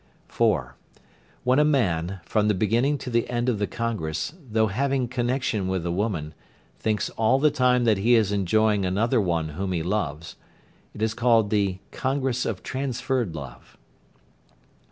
(4). When a man, from the beginning to the end of the congress, though having connection with the women, thinks all the time that he is enjoying another one whom he loves, it is called the "congress of transferred love."